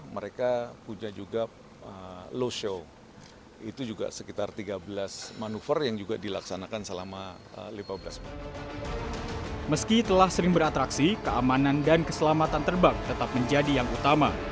meski telah sering beratraksi keamanan dan keselamatan terbang tetap menjadi yang utama